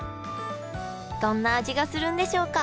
どんな味がするんでしょうか？